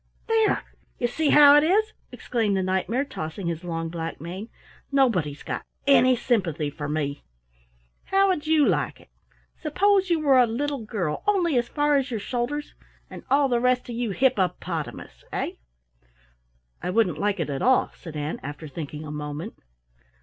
"There! You see how it is!" exclaimed the Knight mare, tossing his long black mane. "Nobody's got any sympathy for me. How would you like it? Suppose you were a little girl only as far as your shoulders and all the rest of you hippopotamus, eh?" "I wouldn't like it at all," said Ann, after thinking a moment.